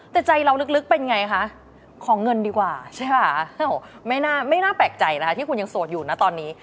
แต่ใจเราลึกเป็นไงคะขอเงินดีกว่าใช่ป่ะไม่น่าไม่น่าแปลกใจนะคะที่คุณยังโสดอยู่นะตอนนี้